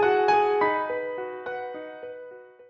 โปรดติดตามตอนต่อไป